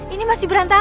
ini masih berantakan